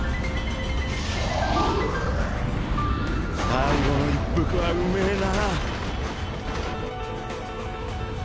最後の一服はうめぇな。